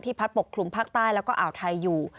ที่พัดปกคลุมภาคใต้และอ่าวไทยอยู่